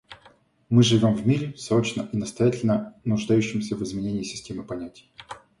Мы живем в мире, срочно и настоятельно нуждающемся в изменении системы понятий.